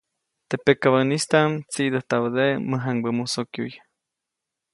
Teʼ pakabäʼnistaʼm tsiʼdäjtabäde mäjaŋbä musokyuʼy.